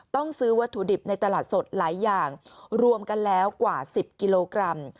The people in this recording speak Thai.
ซื้อวัตถุดิบในตลาดสดหลายอย่างรวมกันแล้วกว่า๑๐กิโลกรัม